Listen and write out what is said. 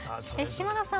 島津さん